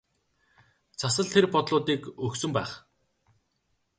Цас л тэр бодлуудыг өгсөн байх.